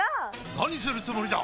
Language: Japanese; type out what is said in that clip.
何するつもりだ！？